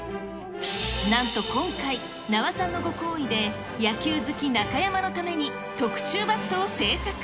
なんと今回、名和さんのご厚意で野球好き、中山のために特注バットを製作。